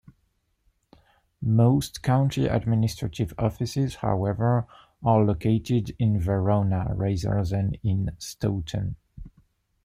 Most county administrative offices, however, are located in Verona, rather than in Staunton.